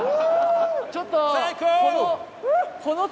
ちょっと。